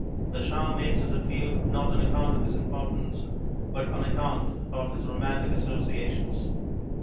The Shah makes his appeal, not on account of his importance but on account of his romantic associations.